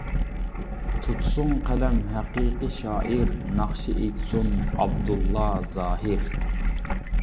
تۇتسۇن قەلەم ھەقىقىي شائىر، ناخشا ئېيتسۇن ئابدۇللا، زاھىر.